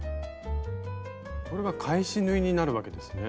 これは返し縫いになるわけですね。